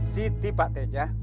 siti pak teja